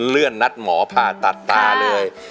เลื่อนนัดหมอผ่าตัดตาเลย